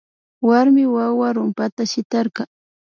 Warmi wawa rumpata shitarka